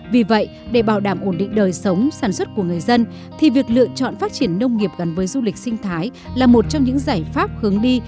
vì vậy để bảo đảm ổn định đời sống sản xuất của người dân thì việc lựa chọn phát triển nông nghiệp gắn với du lịch sinh thái là một trong những giải pháp hướng đi